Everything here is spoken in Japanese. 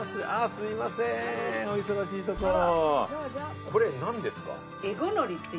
すみません、お忙しいところ。